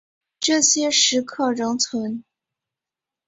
这些石刻仍存。